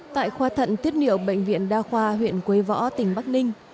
tại khoa thận tiết niệu bệnh viện đa khoa huyện quế võ tỉnh bắc ninh